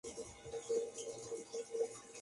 Hoy es siempre roja.